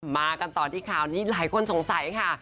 มากันต่อที่ข่าวนี้หลายคนสงสัยค่ะ